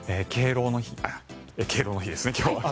敬老の日ですね、今日は。